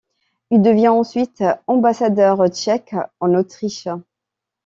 Il devient ensuite ambassadeur tchèque en Autriche.